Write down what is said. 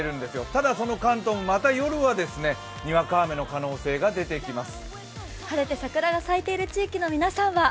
ただ、その関東もまた夜は、にわか雨の可能性が出てきます。